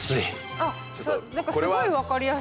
何かすごい分かりやすい。